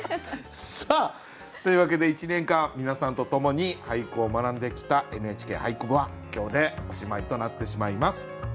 さあというわけで１年間皆さんと共に俳句を学んできた「ＮＨＫ俳句部」は今日でおしまいとなってしまいます。